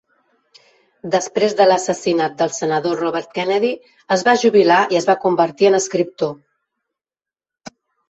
Després de l'assassinat del senador Robert Kennedy, es va jubilar i es va convertir en escriptor.